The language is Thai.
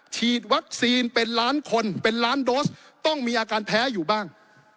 ฉีดวัคซีนเป็นล้านคนเป็นล้านโดสต้องมีอาการแพ้อยู่บ้าง